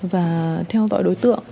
và theo dõi đối tượng